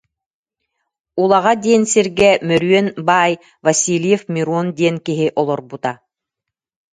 Улаҕа диэн сиргэ Мөрүөн баай-Васильев Мирон диэн киһи олорбута